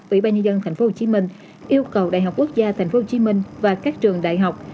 ủy ban nhân dân tp hcm yêu cầu đại học quốc gia tp hcm và các trường đại học